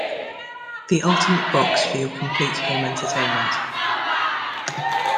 The ultimate box for your complete home entertainment.